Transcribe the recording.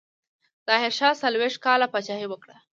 ظاهرشاه څلوېښت کاله پاچاهي وکړه.